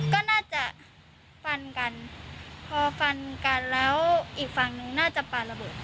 ก็น่าจะฟันกันพอฟันกันแล้วอีกฝั่งนึงน่าจะปลาระเบิด